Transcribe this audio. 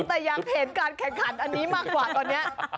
แต่อยากเห็นการแข่งขันอันนี้มากกว่าตอนนี้